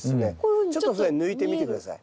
ちょっとそれ抜いてみて下さい。